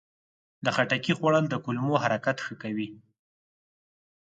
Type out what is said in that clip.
د خټکي خوړل د کولمو حرکت ښه کوي.